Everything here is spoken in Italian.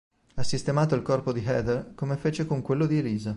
Ha sistemato il corpo di Heather come fece con quello di Elisa.